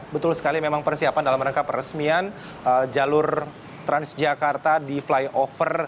betul sekali memang persiapan dalam rangka peresmian jalur transjakarta di flyover